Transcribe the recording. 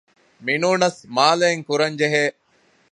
މިނޫނަސް މާލެއިން ކުރަންޖެހޭ